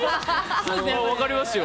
分かりますよ。